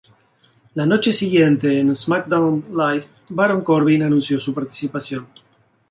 La noche siguiente en "SmackDown Live", Baron Corbin anunció su participación.